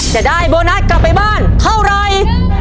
จะได้โบนัสกลับไปบ้านเท่าไร